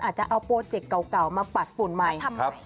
จะเอาโปรเจกต์เก่ามาปัดฝุ่นใหม่